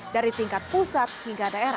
dari tingkat pusat hingga daerah